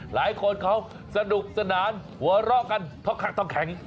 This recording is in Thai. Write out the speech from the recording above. หลายคนเขาสนุกสนานหัวเราะกันเพราะขักทองแข็ง